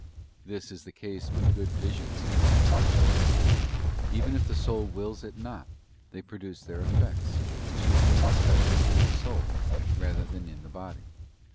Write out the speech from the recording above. This is the case with good visions and apparitions: even if the soul wills it not, they produce their effects, chiefly and specially in the soul rather than in the body.